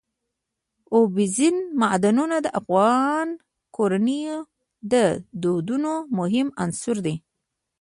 اوبزین معدنونه د افغان کورنیو د دودونو مهم عنصر دی.